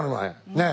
ねえ？